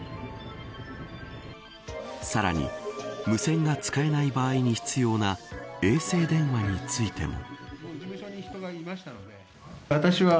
さらに、無線が使えない場合に必要な衛星電話についても。